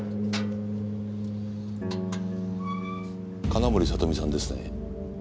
金森里美さんですね？